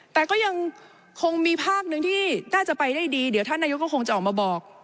แต่ก็ยังคงมีภาคหนึ่งที่น่าจะไปได้ดีเดี๋ยวท่านนายกก็คงจะออกมาบอก